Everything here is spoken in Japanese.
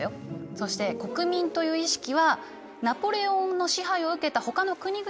そして国民という意識はナポレオンの支配を受けたほかの国々でも生まれたんだな。